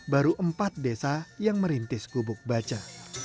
baru empat desa yang merintis gubuk baca